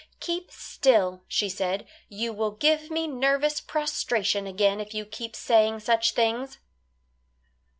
"Keep still," she said, "you will give me nervous prostration again if you keep saying such things."